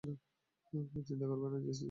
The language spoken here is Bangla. চিন্তা করবেন না, জেসি স্যার।